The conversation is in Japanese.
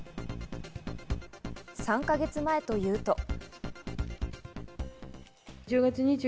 ３か月前というと。